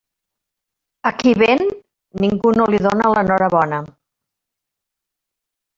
A qui ven, ningú no li dóna l'enhorabona.